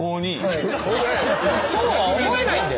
そうは思えないんだよ。